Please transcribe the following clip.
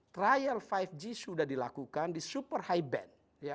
trial lima g sudah dilakukan di super high band